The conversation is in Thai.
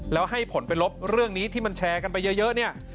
แล้วให้ผลไปลบเรื่องนี้ที่มันแชร์กันไปเยอะเนี่ย